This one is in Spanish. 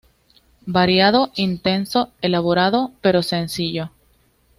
Variado, intenso, elaborado, pero sencillo.